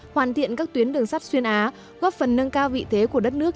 hoàn thiện các tuyến đường sắt xuyên á góp phần nâng cao vị thế của đất nước